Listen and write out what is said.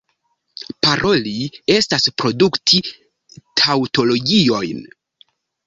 Paroli estas produkti taŭtologiojn.